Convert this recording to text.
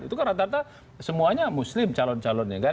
itu kan rata rata semuanya muslim calon calonnya